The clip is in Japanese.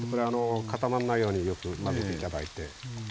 固まんないようによく混ぜて頂いて。